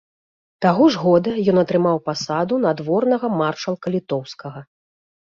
Таго ж года ён атрымаў пасаду надворнага маршалка літоўскага.